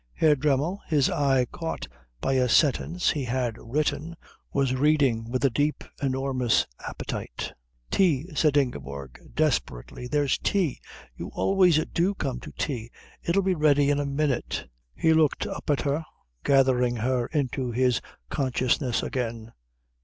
Herr Dremmel, his eye caught by a sentence he had written, was reading with a deep enormous appetite. "Tea," said Ingeborg desperately. "There's tea. You always do come to tea. It'll be ready in a minute." He looked up at her, gathering her into his consciousness again.